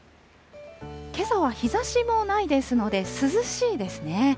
けさは日ざしもないですので、涼しいですね。